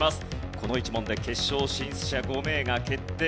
この１問で決勝進出者５名が決定。